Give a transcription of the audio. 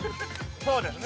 ◆そうですね。